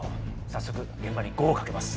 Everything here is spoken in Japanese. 早速現場にゴーをかけます。